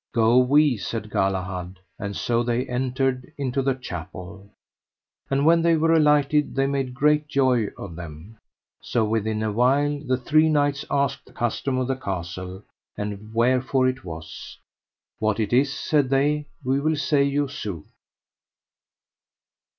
Go we, said Galahad; and so they entered into the chapel. And when they were alighted they made great joy of them. So within a while the three knights asked the custom of the castle and wherefore it was. What it is, said they, we will say you sooth.